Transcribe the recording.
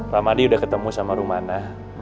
ramadi sudah ketemu sama rumana